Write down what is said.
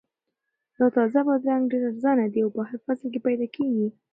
دا تازه بادرنګ ډېر ارزانه دي او په هر فصل کې پیدا کیږي.